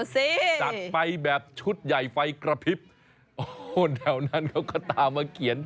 จัดไปแบบชุดใหญ่ไฟกระพริบโอ้แถวนั้นเขาก็ตามมาเขียน